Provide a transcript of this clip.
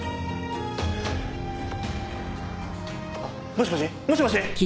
もしもしもしもし！